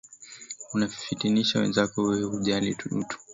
Unafitinisha wenzako we hujali utu.